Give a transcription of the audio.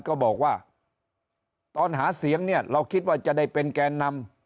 ก็บอกว่าตอนหาเสียงเนี่ยเราคิดว่าจะได้เป็นแกนนำ